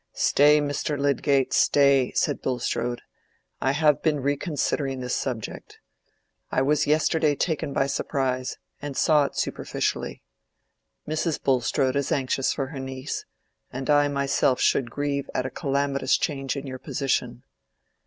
"Stay, Mr. Lydgate, stay," said Bulstrode; "I have been reconsidering this subject. I was yesterday taken by surprise, and saw it superficially. Mrs. Bulstrode is anxious for her niece, and I myself should grieve at a calamitous change in your position.